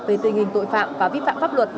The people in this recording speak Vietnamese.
về tình hình tội phạm và vi phạm pháp luật